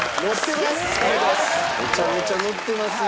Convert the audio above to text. めちゃめちゃノッてますね。